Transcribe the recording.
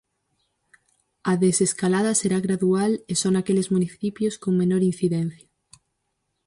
A desescalada será gradual e só naqueles municipios con menor incidencia.